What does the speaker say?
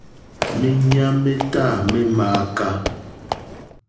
Méɲá métâ mé !mááká.